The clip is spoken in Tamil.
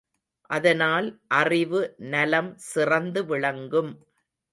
அதனால் அறிவு நலம் சிறந்து விளங்கும்.